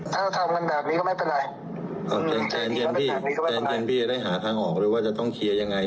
ถ้าเราทำกันแบบนี้ก็ไม่เป็นไรอ่าแจนแจนพี่แจนแจนพี่จะได้หาทางออกเลยว่าจะต้องเคลียร์ยังไง